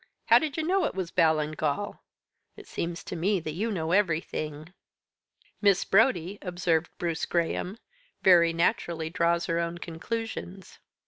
How did you know it was Ballingall? It seems to me that you know everything." "Miss Brodie," observed Bruce Graham, "very naturally draws her own conclusions.